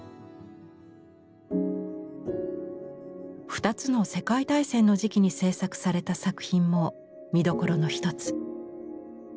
２つの世界大戦の時期に制作された作品も見どころの一つ。